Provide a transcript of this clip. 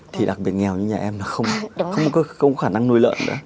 thì đặc biệt nghèo như nhà em là không có khả năng nuôi lợn nữa